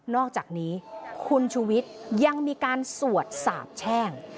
อกจากนี้คุณชูวิทย์ยังมีการสวดสาบแช่ง